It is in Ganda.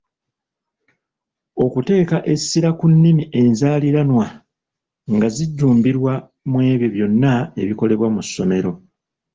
Okuteeka essira ku nnimi enzaaliranwa nga zijjumbirwa mwebyo byonna ebikolebwa mu ssomero.